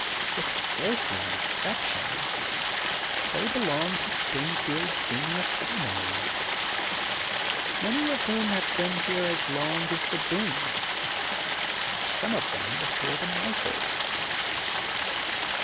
With scarcely an exception they belong to Spring field 's senior families, many of whom have been here as long as the Boones, and some of them before the Michaels.